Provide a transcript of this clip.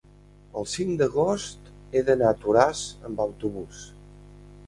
El cinc d'agost he d'anar a Toràs amb autobús.